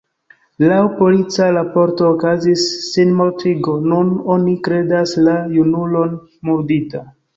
Laŭ polica raporto okazis sinmortigo: nun oni kredas la junulon murdita.